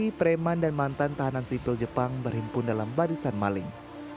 jadi preman dan mantan tahanan sipil jepang berhimpun dalam barisan maling